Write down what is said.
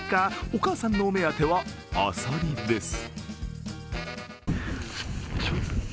お母さんのお目当てはアサリです。